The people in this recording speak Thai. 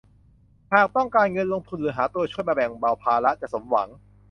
หากต้องการเงินลงทุนหรือหาตัวช่วยมาแบ่งเบาภาระจะสมหวัง